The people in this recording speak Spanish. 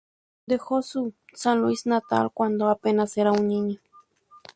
Dejó su San Luis natal cuando apenas era un niño.